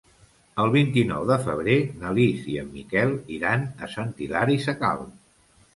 El vint-i-nou de febrer na Lis i en Miquel iran a Sant Hilari Sacalm.